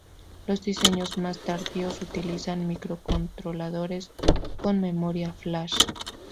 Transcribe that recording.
Los diseños más tardíos utilizan microcontroladores con memoria flash.